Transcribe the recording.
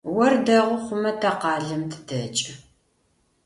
Ор дэгъу хъумэ, тэ къалэм тыдэкӏы.